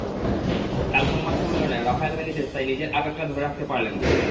কাল সংবাদ সম্মেলনে রাফায়েল বেনিতেজ তাই নিজের আবেগটা ধরে রাখতে পারলেন না।